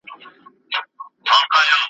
زه تر مور او پلار پر ټولو مهربان یم `